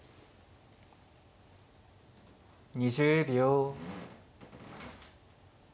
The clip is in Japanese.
２０秒。